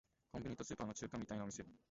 コンビニとスーパーの中間みたいなお店